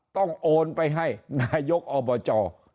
ต้องโอนไปให้นายกอบจ